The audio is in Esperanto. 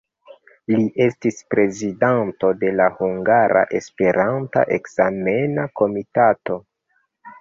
Li estis prezidanto de la Hungara Esperanta Ekzamena Komitato.